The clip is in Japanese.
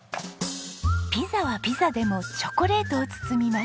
ピザはピザでもチョコレートを包みます。